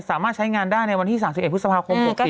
สามารถใช้งานได้ในวันที่๓๑พฤษภาคม๖๔